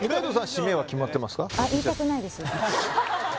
しめは決まってますか？